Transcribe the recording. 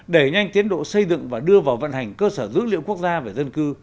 đẩy nhanh tiến độ xây dựng và đưa vào vận hành cơ sở dữ liệu quốc gia về dân cư